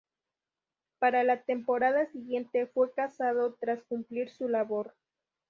Para la temporada siguiente fue cesado tras cumplir su labor.